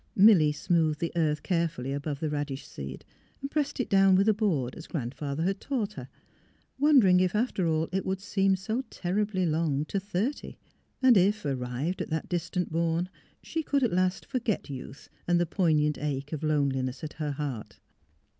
Milly smoothed the earth carefully above the radish seed and pressed it down with a board, as Grandfather had taught her, wondering if after all it would seem so terribly long to thirty; and if, arrived at that distant bourne, she could, at last, forget youth and the poignant ache of lone liness at her heart.